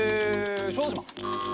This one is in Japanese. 小豆島。